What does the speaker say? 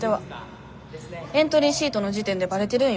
エントリーシートの時点でバレてるんよね多分。